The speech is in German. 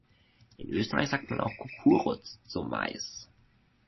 In Österreich sagt man auch Kukuruz zum Mais.